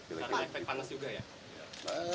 karena efek panas juga ya